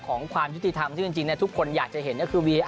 ของความทริปธรรมที่จริงทุกคนอยากจะเห็น